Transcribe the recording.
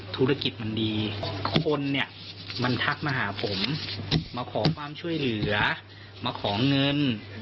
ธุรกิจมันดีคนเนี่ยมันทักมาหาผมมาขอความช่วยเหลือมาขอเงิน